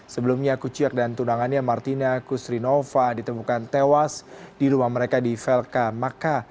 sebelumnya kuciak dan tunangannya martina kusrinova ditemukan tewas di rumah mereka di velka maka